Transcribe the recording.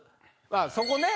そこね！